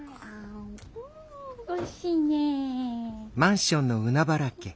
おいしいね。